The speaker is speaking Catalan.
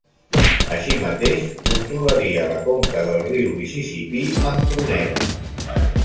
Així mateix controlaria la conca del riu Mississipí amb troneres.